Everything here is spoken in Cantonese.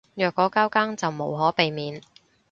若果交更就無可避免